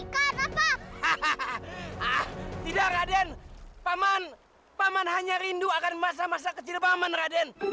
hahaha tidak raden paman paman hanya rindu akan masa masa kecil paman raden